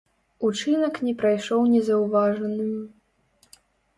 Учынак не прайшоў незаўважаным.